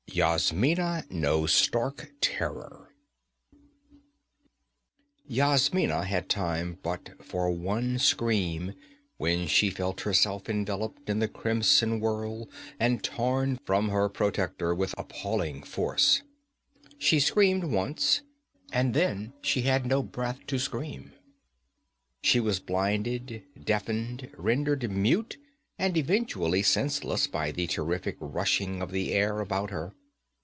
8 Yasmina Knows Stark Terror Yasmina had time but for one scream when she felt herself enveloped in that crimson whirl and torn from her protector with appalling force. She screamed once, and then she had no breath to scream. She was blinded, deafened, rendered mute and eventually senseless by the terrific rushing of the air about her.